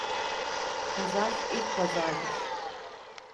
Pazar, ilk pazardır.